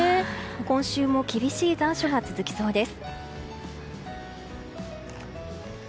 今週も厳しい残暑が続きそうです。